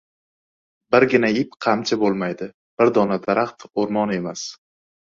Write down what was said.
• Birgina ip qamchi bo‘lmaydi, bir dona daraxt — o‘rmon emas.